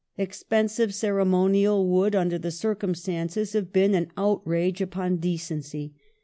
^i"itT ^ Expensive ceremonial would, under the circumstances, have been an Ireland outrage upon decency.